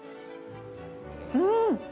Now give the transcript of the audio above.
うん！